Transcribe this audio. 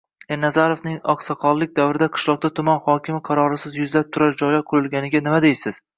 Ernazarovning oqsoqollik davrida qishloqda tuman hokimi qarorisiz yuzlab turar joylar qurilganiga nima deysiz